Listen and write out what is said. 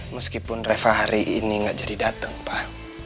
meskipun reva hari ini gak jadi datang pak